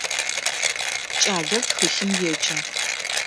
Кӏалэр тхылъым еджэ.